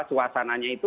suasana nya itu